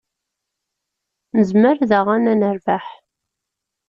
Nezmer daɣen ad nerbeḥ.